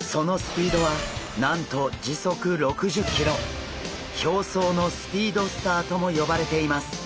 そのスピードはなんと表層のスピードスターとも呼ばれています。